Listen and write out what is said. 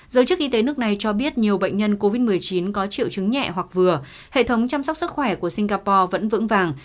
giới chức y tế nước này cho biết nhiều bệnh nhân covid một mươi chín có triệu chứng nhẹ hoặc vừa hệ thống chăm sóc sức khỏe của singapore vẫn vững vàng